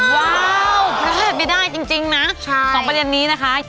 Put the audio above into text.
ว้าวก็ได้จริงนะสองประเภทนี้นะคะ